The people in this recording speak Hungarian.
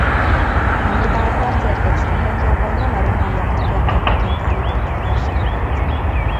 Hannibál harcérték szempontjából nem a rómaiak tükörképeként állította fel seregét.